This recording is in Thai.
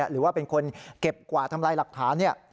หรือว่าเป็นคนเก็บกวาดทำลายหลักฐาน